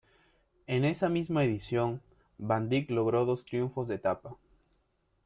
En esa misma edición, van Dyck logró dos triunfos de etapa.